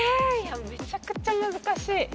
めちゃくちゃ難しい。